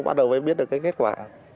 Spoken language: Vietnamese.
bắt đầu mới biết được cái kết quả